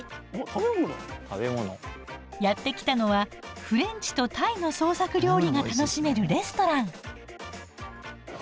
やって来たのはフレンチとタイの創作料理が楽しめるレストラン。